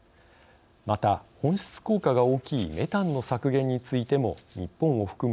また温室効果が大きいメタンの削減についても日本を含む